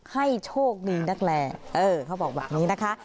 ให้โชคดีนักแลเขาบอกแบบนี้นะคะ